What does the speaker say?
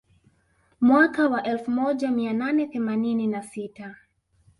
Mwaka wa elfu moja mia nane themanini na sita